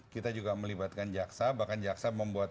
kita juga melibatkan jaksa bahkan jaksa membuat